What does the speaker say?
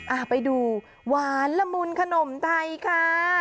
อ่าไปดูหวานละมุนขนมไทยค่ะ